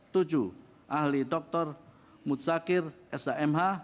tujuh ahli dokter muzakir shmh